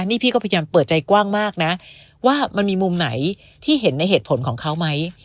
นี่พี่ก็พยายามเปิดใจกว้างมากนะว่ามันมีมุมไหนที่เห็นในเหตุผลของเขาไหม